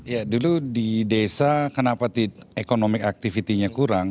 ya dulu di desa kenapa economic activity nya kurang